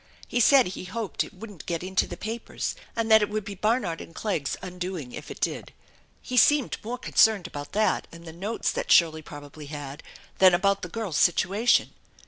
He said he hoped it wouldn't get into the papers, and that it would be Barnard and Clegg's undoing if it did. He seemed more concerned about that and the notes that Shirley probably had, than about the girl's situation.